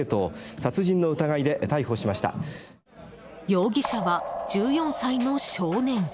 容疑者は１４歳の少年。